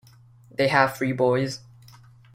They have three boys.